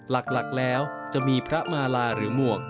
หลักแล้วจะมีพระมาลาหรือหมวก